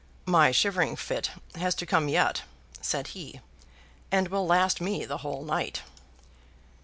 "My shivering fit has to come yet," said he, "and will last me the whole night."